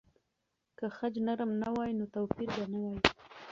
که خج نرم نه وای، نو توپیر به نه وای.